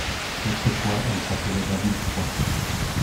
Autrefois, elle s’appelait David Troy.